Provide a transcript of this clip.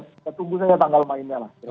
kita tunggu saja tanggal mainnya lah